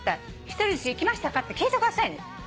「ひとり寿司行きましたか？」って聞いてくださいね。